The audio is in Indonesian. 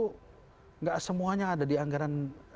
tidak semuanya ada di anggaran